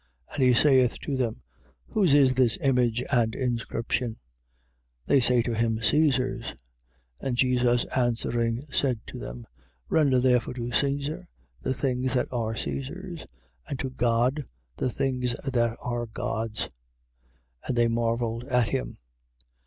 And he saith to them: Whose is this image and inscription? They say to him, Caesar's. 12:17. And Jesus answering, said to them: Render therefore to Caesar the things that are Caesar's and to God the things that are God's. And they marvelled at him.